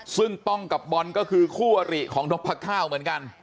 ซึ่งป้องกับบอลก็คือคู่อริของนกพระข้าวเหมือนกัน